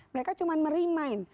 mereka cuma meremind